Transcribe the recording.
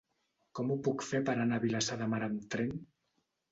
Com ho puc fer per anar a Vilassar de Mar amb tren?